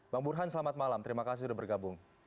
bang burhan selamat malam terima kasih sudah bergabung